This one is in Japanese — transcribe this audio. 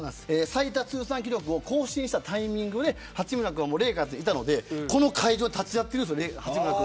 最多通算記録を更新したタイミングで八村君はレイカーズにいたのでこの場に立ち会っているんです。